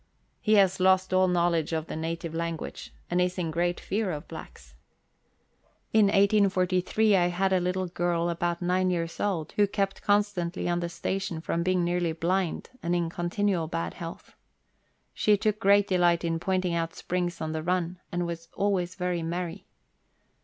He has lost all knowledge of the native language, and is in great fear of blacks. Letters from Victorian Pioneers. 149 lu 1843 I had a little girl about nine years old, who kept con stantly on the station from being nearly blind and in continual bad health. She took great delight in pointing out springs on the run, and was always very merry.